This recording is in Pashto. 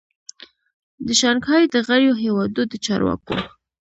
د شانګهای د غړیو هیوادو د چارواکو